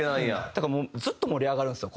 だからもうずっと盛り上がるんですよ